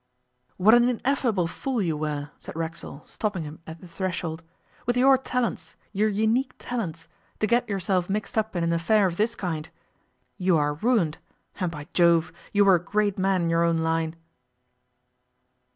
'What an ineffable fool you were,' said Racksole, stopping him at the threshold, 'with your talents, your unique talents, to get yourself mixed up in an affair of this kind. You are ruined. And, by Jove! you were a great man in your own line.